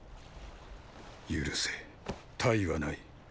許せ他意はない。